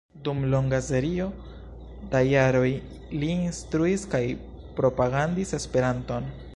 Dum longa serio da jaroj li instruis kaj propagandis Esperanton.